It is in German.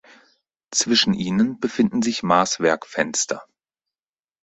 Zwischen ihnen befinden sich Maßwerkfenster.